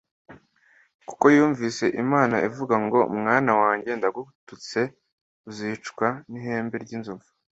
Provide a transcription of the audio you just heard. kuko yumvise Imana ivuga ngo "Mwana wanjye ndagututse uzicwa n' ihembe ry' inzovu